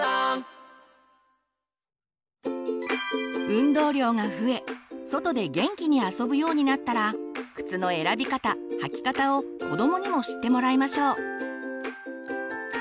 運動量が増え外で元気に遊ぶようになったら靴の選び方履き方を子どもにも知ってもらいましょう。